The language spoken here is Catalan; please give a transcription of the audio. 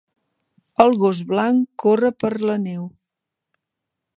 El gos blanc corre per la neu.